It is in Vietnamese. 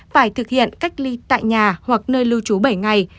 phải thực hiện cách ly tại nhà hoặc nơi lưu trú bảy ngày